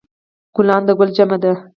ګلان د ګل جمع ده